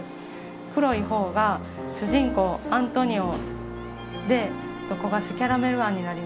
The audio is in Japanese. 黒い方が主人公アントニオで焦がしキャラメル餡になります。